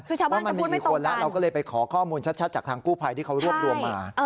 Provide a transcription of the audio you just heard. คือชาวบ้านจะพูดไม่ตรงกันเราก็เลยไปขอข้อมูลชัดจากทางกู้ภัยที่เขารวบรวมมา